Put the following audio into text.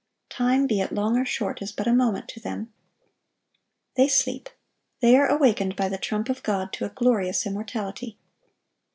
Time, be it long or short, is but a moment to them. They sleep; they are awakened by the trump of God to a glorious immortality.